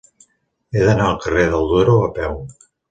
He d'anar al carrer del Duero a peu.